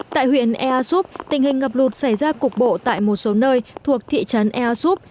tại huyện ea súp tình hình ngập lụt xảy ra cục bộ tại một số nơi thuộc thị trấn ea súp